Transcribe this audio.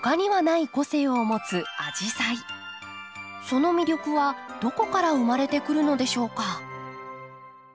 その魅力はどこから生まれてくるのでしょうか？